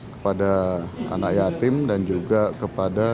kepada anak yatim dan juga kepada